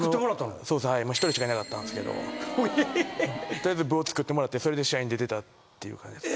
取りあえず部をつくってもらってそれで試合に出てたっていう。